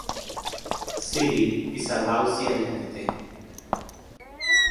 'City' is a lousy identity.